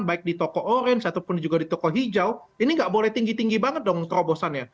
baik di toko orange ataupun juga di toko hijau ini nggak boleh tinggi tinggi banget dong terobosannya